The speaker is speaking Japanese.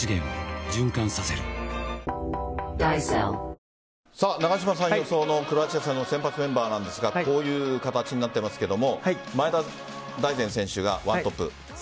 この２人の方は永島さん予想のクロアチア戦の先発メンバーなんですがこういう形になっていますが前田大然選手がワントップ。